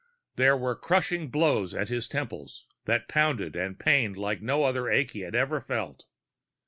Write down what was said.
There were crushing blows at his temples that pounded and pained like no other ache he had ever felt.